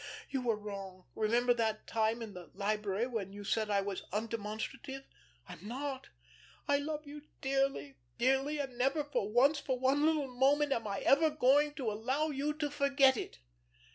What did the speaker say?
You were wrong, remember that time in the library, when you said I was undemonstrative. I'm not. I love you dearly, dearly, and never for once, for one little moment, am I ever going to allow you to forget it."